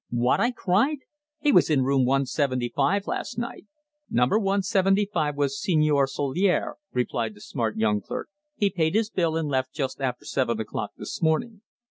"What?" I cried. "He was in Room 175 last night!" "Number 175 was Señor Solier," replied the smart young clerk. "He paid his bill and left just after seven o'clock this morning."